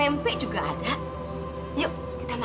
semalam mana aku nunggu sita ma